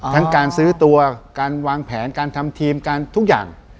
ทั้งการซื้อตัวการวางแผนการทำทีมการทุกอย่าง